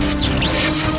aku sudah menemukan siliwangi